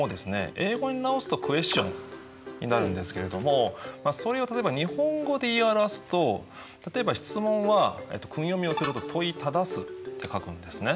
英語に直すとクエスチョンになるんですけれどもそれを例えば日本語で言い表すと例えば質問は訓読みをすると問い質すと書くんですね。